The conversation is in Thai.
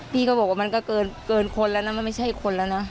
พี่ก็บอกว่ามันก็เกินคนแล้วนะมันไม่ใช่คนแล้วนะ